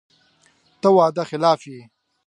ته وعده خلافه یې !